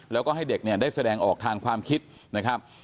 แล้วก็ให้เด็กเนี่ยได้แสดงออกทางความคิดนะครับ